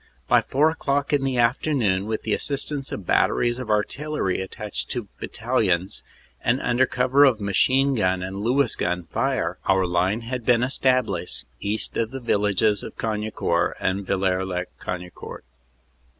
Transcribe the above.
By four o clock in the afternoon, with the assist ance of batteries of artillery attached to battalions, and under cover of machine gun and Lewis gun fire, our line had been established east of the villages of Cagnicourt and Villers lez Cagnicourt.